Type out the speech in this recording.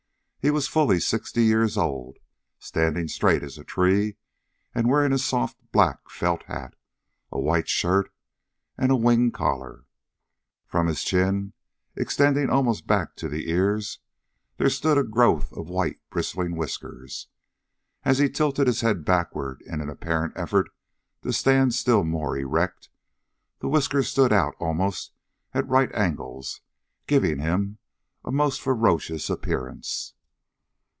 He was fully sixty years old, standing straight as a tree and wearing a soft black felt hat, a white shirt and a wing collar. From his chin, extend almost back to the ears, there stood a growth of white bristling whiskers. As he tilted his head backward in an apparent effort to stand still more erect, the whiskers stood out almost at right angles, giving him a most ferocious appearance.